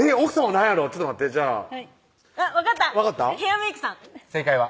何やろちょっと待ってじゃああっ分かったヘアメークさん正解は？